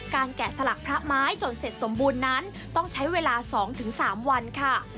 แกะสลักพระไม้จนเสร็จสมบูรณ์นั้นต้องใช้เวลา๒๓วันค่ะ